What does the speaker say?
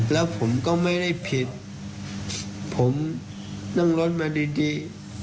แล้วผมก็ไม่ได้ผิดผมนั่งรถมาดีดี